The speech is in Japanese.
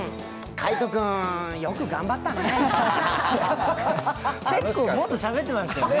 海音君、よく頑張ったね。